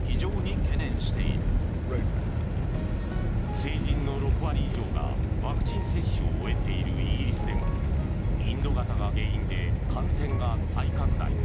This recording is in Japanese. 成人の６割以上がワクチン接種を終えているイギリスでもインド型が原因で感染が再拡大。